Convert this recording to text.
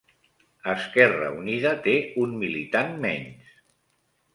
Esquerra Unida té un militant menys